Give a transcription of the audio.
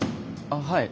あっはい。